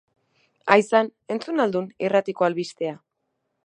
Aizan, entzun al dun irratiko albistea?